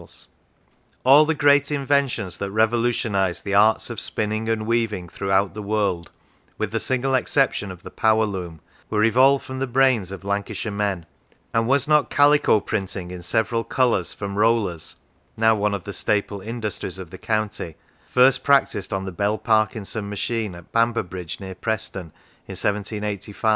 39 Lancashire All the great inventions that revolutionised the arts of spinning and weaving throughout the world, with the single exception of the power loom, were evolved from the brains of Lancashire men; and was nt calico printing in several colours from rollers (now one of the staple industries of the county) first prac tised on the Bell Parkinson machine at Bamberb ridge, near Preston, in 1785 ?